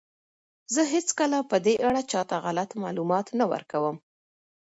زه هیڅکله په دې اړه چاته غلط معلومات نه ورکوم.